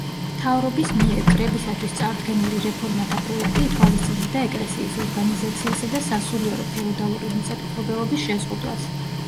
მთავრობის მიერ კრებისათვის წარდგენილი რეფორმათა პროექტი ითვალისწინებდა ეკლესიის ორგანიზაციისა და სასულიერო ფეოდალური მიწათმფლობელობის შეზღუდვას.